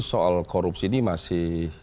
soal korupsi ini masih